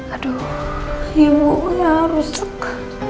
aduh ibu ya rusuk